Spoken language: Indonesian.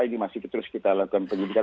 ini masih terus kita lakukan penyelidikan